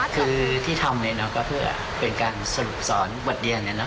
คือที่ทำเนี่ยนะก็เป็นการสรุปสอนบทเรียนเนี่ยนะ